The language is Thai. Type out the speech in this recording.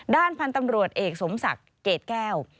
ด้านพันธุ์ตำรวจเอกสมศักดิ์เกรดแก้ว